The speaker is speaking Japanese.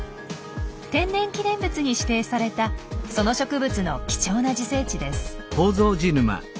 天然記念物に指定されたその植物の貴重な自生地です。